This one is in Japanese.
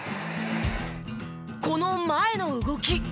この前の動き。